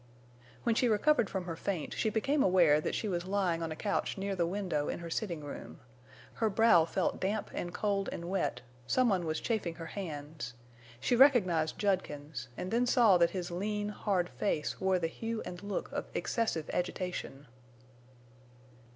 When she recovered from her faint she became aware that she was lying on a couch near the window in her sitting room. Her brow felt damp and cold and wet, some one was chafing her hands; she recognized Judkins, and then saw that his lean, hard face wore the hue and look of excessive agitation.